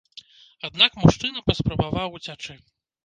Аднак мужчына паспрабаваў уцячы.